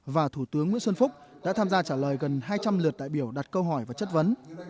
và thủ tướng nguyễn xuân phúc đã tham gia trả lời gần hai trăm linh lượt đại biểu đặt câu hỏi và chất vấn